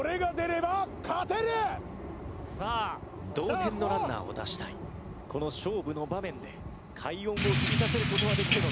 さあ同点のランナーを出したいこの勝負の場面で快音を響かせる事はできるのか？